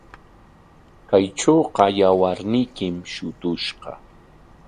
Kaytrawqa yawarniykim shutushqa.